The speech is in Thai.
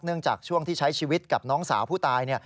จากช่วงที่ใช้ชีวิตกับน้องสาวผู้ตาย